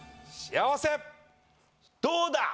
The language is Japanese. どうだ？